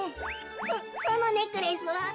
そそのネックレスは？